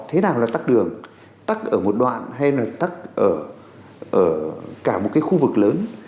thế nào là tắc đường tắc ở một đoạn hay tắc ở cả một khu vực lớn